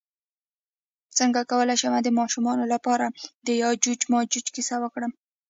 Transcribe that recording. څنګه کولی شم د ماشومانو لپاره د یاجوج ماجوج کیسه وکړم